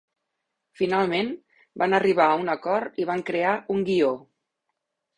Finalment, van arribar a un acord i van crear un guió.